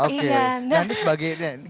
oke nanti sebagainya